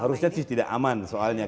harusnya sih tidak aman soalnya